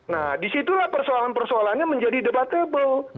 nah disitulah persoalan persoalannya menjadi debatable